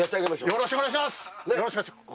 よろしくお願いします！